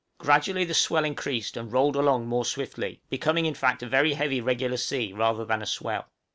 Gradually the swell increased, and rolled along more swiftly, becoming in fact a very heavy regular sea, rather than a swell.